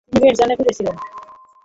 তিনি বেশ জনপ্রিয় ছিলেন।